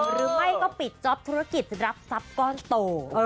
หรือไม่ก็ปิดจ๊อปธุรกิจรับทรัพย์ก้อนโต